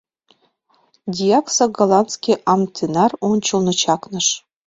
Дьякса голландский амтенар ончылно чакныш.